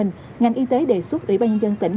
ngành y tế đề xuất ủy ban nhân dân tỉnh